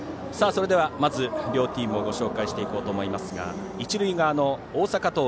それではまず両チームをご紹介していきますが一塁側の大阪桐蔭。